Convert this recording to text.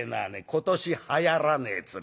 今年はやらねえ面。